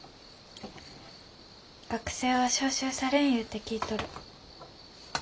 学生は召集されんいうて聞いとる。